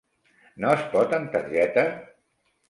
No es pot en targeta?